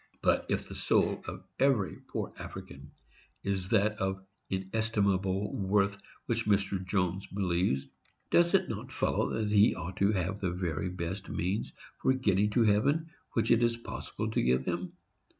But, if the soul of every poor African is of that inestimable worth which Mr. Jones believes, does it not follow that he ought to have the very best means for getting to heaven which it is possible to give him?